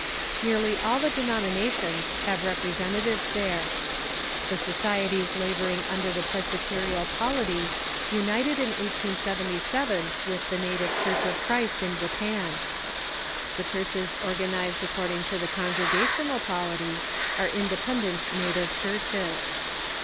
Nearly all the denomina tions have representatives there. The societies laboring under the Presbyterial polit}' united in 1877 with the Native Church of Christ in Japan, The churches organized according to the Congregational politj'' are independent native churches.